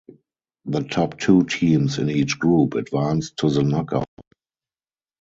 The top two teams in each group advanced to the knockout stage.